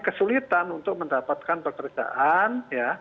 kesulitan untuk mendapatkan pekerjaan